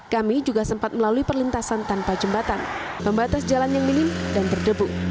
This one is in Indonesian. kami juga sempat melalui perlintasan tanpa jembatan membatas jalan yang minim dan berdebu